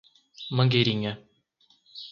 Mangueirinha